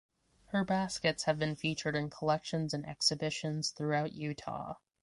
Her baskets have been featured in collections and exhibitions throughout Utah.